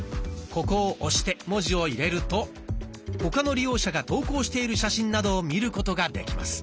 ここを押して文字を入れると他の利用者が投稿している写真などを見ることができます。